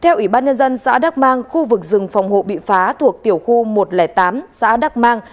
theo ủy ban nhân dân xã đắc mang khu vực rừng phòng hộ bị phá thuộc tiểu khu một trăm linh tám xã đắc mang